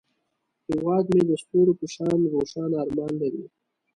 هیواد مې د ستورو په شان روښانه ارمان لري